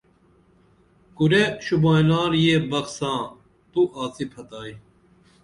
کُرے شُوبائینار یہ بخ ساں تو آڅی پھتائی